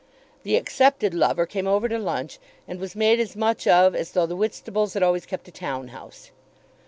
The accepted lover came over to lunch, and was made as much of as though the Whitstables had always kept a town house.